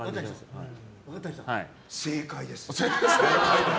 正解です。